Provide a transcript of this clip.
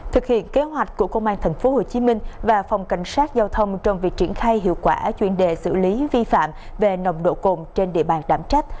thực hiện kế hoạch của công an tp hcm và phòng cảnh sát giao thông trong việc triển khai hiệu quả chuyên đề xử lý vi phạm về nồng độ cồn trên địa bàn đảm trách